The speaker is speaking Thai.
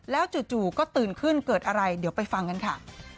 แล้วจู่ก็ตื่นขึ้นเกิดอะไรเดี๋ยวไปฟังกันค่ะ